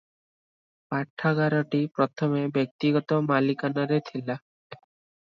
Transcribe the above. ପାଠାଗାରଟି ପ୍ରଥମେ ବ୍ୟକ୍ତିଗତ ମାଲିକାନାରେ ଥିଲା ।